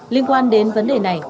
liên quan đến vấn đề này